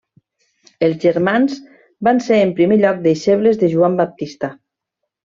Els germans van ser en primer lloc deixebles de Joan Baptista.